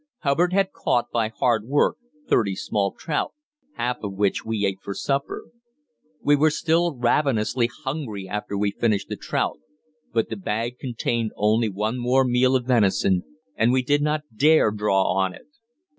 Hubbard had caught, by hard work, thirty small trout, half of which we ate for supper. We were still ravenously hungry after we finished the trout, but the bag contained only one more meal of venison and we did not dare draw on it.